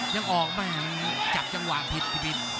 ยังออกไม่อะไรมันจักรจังหวะผิดผิด